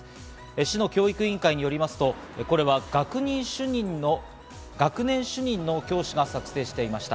市の教育委員会によりますと、これは学年主任の教師が作成していました。